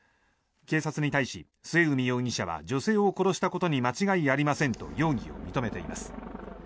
警察に対し、末海容疑者は女性を殺したことに間違いありませんと容疑を認めています。